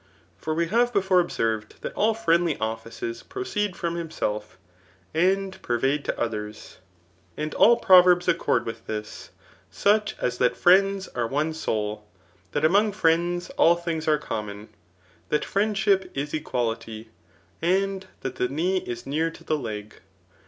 For vre have before observed that all friendly offices proceed from himself, and pervade to others. And all proverbs Digitized by Google SSO THE KICOMACHEAN BOOK IX. accord with this ; such as that [Jriends] are one soui; that among friends all things are common ; that friend^ s/tip is equality ; and that the knee is near to the leg.